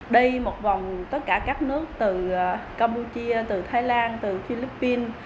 đi một vòng tất cả các nước từ campuchia từ thái lan từ philippines